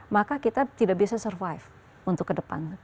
maka kita tidak bisa survive untuk ke depan